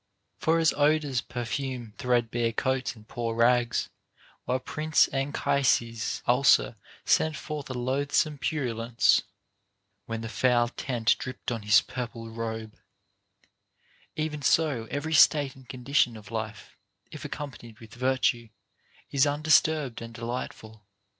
2. For as odors perfume threadbare coats and poor rags, while Prince Anchises's ulcer sent forth a loathsome pu rulence, When the foul tent dript on his purple robe, OF VIRTUE AND VICE. 483 even so every state and condition of life, if accompanied with, virtue, is undisturbed and delightful.